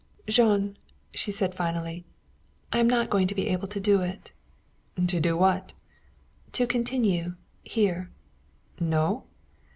"Jean," she said finally, "I am not going to be able to do it." "To do what?" "To continue here." "No?"